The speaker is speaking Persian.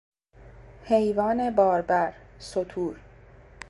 حیوان باربر، ستور